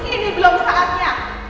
ini belum saatnya